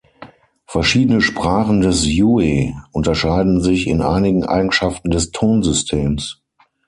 Verschiedene Sprachen des Yue unterscheiden sich in einigen Eigenschaften des Tonsystems.